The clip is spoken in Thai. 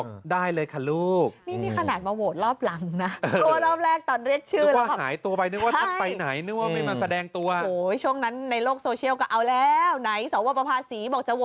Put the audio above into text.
นี่จังหวะว่าตอนท่านโวตเห็นชอบ